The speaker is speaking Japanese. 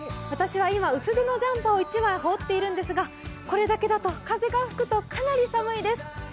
私は今、薄手のジャンパーを１枚羽織っているんですが、これだけだと風が吹くとかなり寒いです。